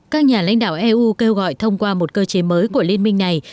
các nhà lãnh đạo eu kêu gọi thông qua một cơ chế mới của liên minh này